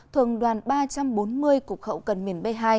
thuần đoàn ba trăm bốn mươi cục hậu cần miền b hai